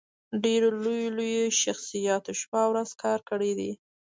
ډېرو لويو لويو شخصياتو شپه او ورځ کار کړی دی